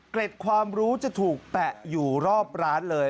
ความรู้จะถูกแปะอยู่รอบร้านเลย